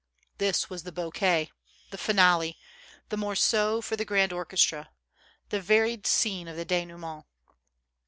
This was the bouquet, the finale, the morceau for the grand orchestra, the varied scene of the denouement.